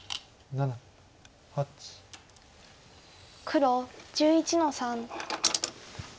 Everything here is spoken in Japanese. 黒１１の三。